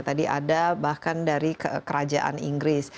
tadi ada bahkan dari kerajaan inggris